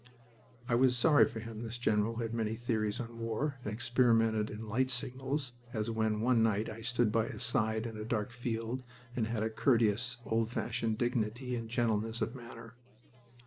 I was sorry for him, this general who had many theories on war and experimented in light signals, as when one night I stood by his side in a dark field, and had a courteous old fashioned dignity and gentleness of manner.